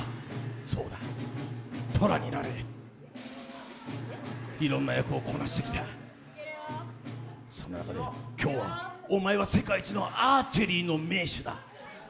そうだ、虎になれ、いろんな役をこなしてきた、その中で今日はお前は世界一のアーチェリーの名手だ。